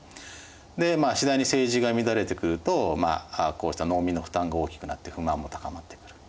で次第に政治が乱れてくるとこうした農民の負担が大きくなって不満も高まってくる。